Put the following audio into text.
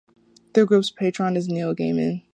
The group's patron is Neil Gaiman.